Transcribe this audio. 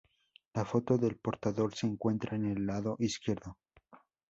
La foto del portador se encuentra en el lado izquierdo.